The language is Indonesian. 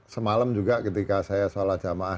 semalam juga ketika saya sholat jamaah